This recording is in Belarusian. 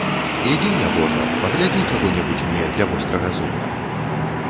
Ідзі, нябожа, паглядзі чаго-небудзь мне для вострага зуба.